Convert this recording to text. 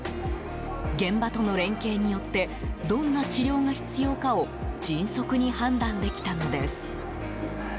現場との連携によってどんな治療が必要かを迅速に判断できたのです。